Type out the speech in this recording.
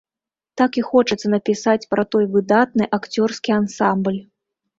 Так і хочацца напісаць пра той выдатны акцёрскі ансамбль.